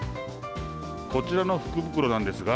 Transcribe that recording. こちらの福袋なんですが、